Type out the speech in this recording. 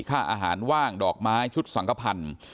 ค่าอาหารว่างดอกไม้ชุดสังขพันธ์